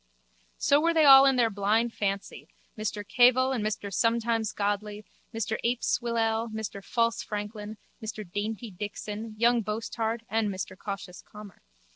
So were they all in their blind fancy, Mr Cavil and Mr Sometimes Godly, Mr Ape Swillale, Mr False Franklin, Mr Dainty Dixon, Young Boasthard and Mr Cautious Calmer.